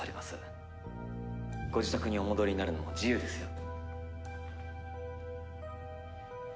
ご自宅にお戻りになるのも自由ですよ。